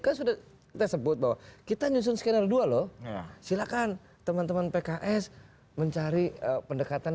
kan sudah kita sebut bahwa kita nyusun skenario dua loh silakan teman teman pks mencari pendekatan